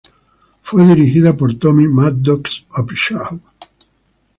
Fue dirigido por Tommy Maddox-Upshaw.